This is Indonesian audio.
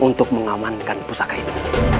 untuk mengamankan pusaka itu